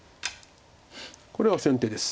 これは先手です。